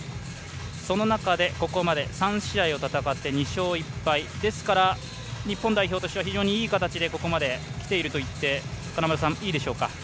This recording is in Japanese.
その中で、ここまで３試合を戦って２勝１敗ですから日本代表としては非常にいい形でここまできているといっていいでしょうか。